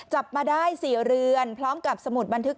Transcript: จับมาได้๔เรือนพร้อมกับสมุดบันทึก